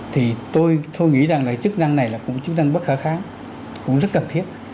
thì tôi nghĩ rằng là chức năng này là cũng chức năng bất khả kháng cũng rất cần thiết